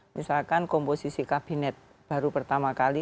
misalkan komposisi kabinet baru pertama kali